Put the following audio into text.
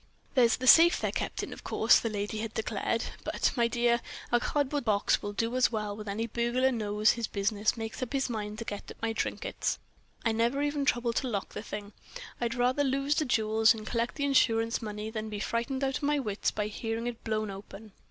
"There's the safe they're kept in, of course," the lady had declared—"but, my dear, a cardboard box will do as well when any burglar who knows his business makes up his mind to get at my trinkets. I never even trouble to lock the thing. I'd rather lose the jewels—and collect the insurance money—than be frightened out of my wits by hearing it blown open.